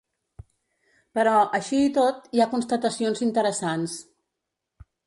Però, així i tot, hi ha constatacions interessants.